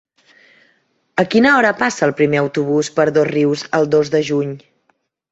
A quina hora passa el primer autobús per Dosrius el dos de juny?